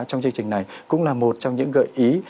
trong chương trình này cũng là một trong những gợi ý